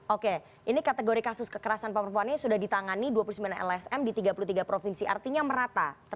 oke ini kategori kasus kekerasan perempuan ini sudah ditangani dua puluh sembilan lsm di tiga puluh tiga provinsi artinya merata